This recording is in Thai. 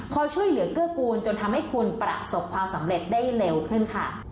ช่วยเหลือเกื้อกูลจนทำให้คุณประสบความสำเร็จได้เร็วขึ้นค่ะ